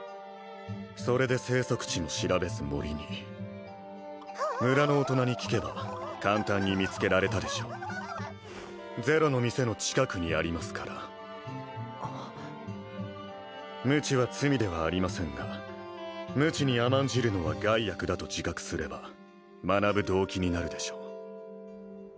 それで生息地も調べず森に村の大人に聞けば簡単に見つけられたでしょうゼロの店の近くにありますから無知は罪ではありませんが無知に甘んじるのは害悪だと自覚すれば学ぶ動機になるでしょう